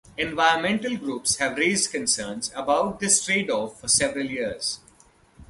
Environmental groups have raised concerns about this trade-off for several years.